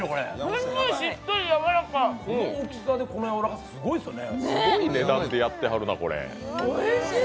すんごい、しっとりやわらかこの大きさでこのやわらかさってすごいですね。